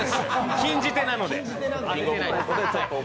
禁じ手なので。